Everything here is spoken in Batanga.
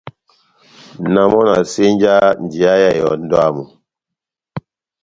Na mɔ na senjaha njeya ya ehɛndɔ yámu.